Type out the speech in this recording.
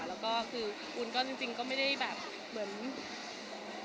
แล้วก็คือคุณก็จริงก็ไม่ได้แบบเหมือน